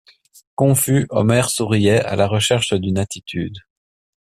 Confus, Omer souriait, à la recherche d'une attitude.